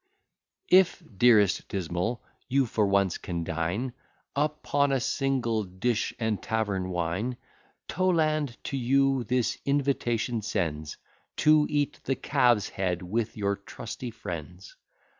If, dearest Dismal, you for once can dine Upon a single dish, and tavern wine, Toland to you this invitation sends, To eat the calfs head with your trusty friends.